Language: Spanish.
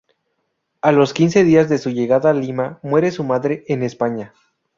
A los quince días de su llegada a Lima, muere su madre en España.